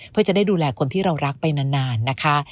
เพื่อจะได้ดูแลคนที่เรารักไปนานนะคะ